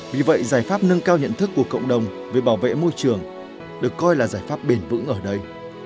vì vậy giải pháp nâng cao nhận thức của cộng đồng về bảo vệ môi trường được coi là giải pháp bền vững ở đây